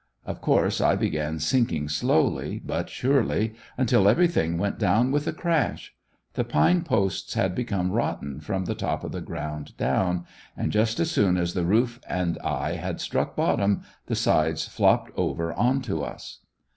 Of course I began sinking slowly but surely, until everything went down with a crash. The pine posts had become rotten from the top of the ground down; and just as soon as the roof and I had struck bottom the sides flopped over onto us.